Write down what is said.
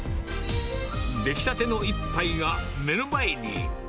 出来たての一杯が目の前に。